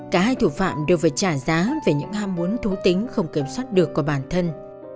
cả hai thủ phạm đều phải trả giá về những ham muốn thú tính không kiểm soát được của bản thân